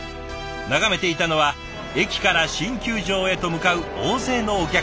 眺めていたのは駅から新球場へと向かう大勢のお客さんたち。